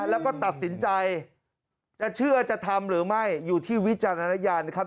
แล้วก็ตัดสินใจจะเชื่อจะทำหรือไม่อยู่ที่วิจารณญาณนะครับ